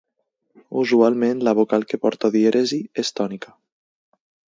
Usualment la vocal que porta dièresi és tònica.